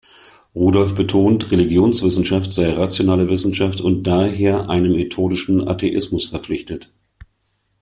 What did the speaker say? Rudolph betont, Religionswissenschaft sei rationale Wissenschaft und daher einem "methodischen Atheismus" verpflichtet.